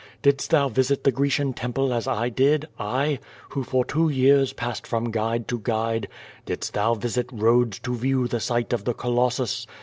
Didst thou visit the Grecian temple as I did, I, who for two years passed from guide to guide? Didst thou visit Rhodes to view the site of the Colossus?